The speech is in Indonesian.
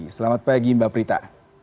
selamat pagi mbak prita